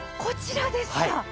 こちらですか？